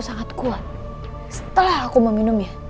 sangat kuat setelah aku meminumnya